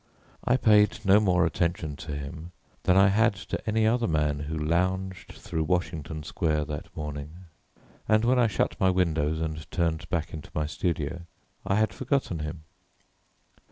I paid no more attention to him than I had to any other man who lounged through Washington Square that morning, and when I shut my window and turned back into my studio I had forgotten him.